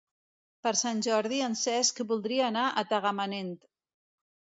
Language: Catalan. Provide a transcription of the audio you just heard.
Per Sant Jordi en Cesc voldria anar a Tagamanent.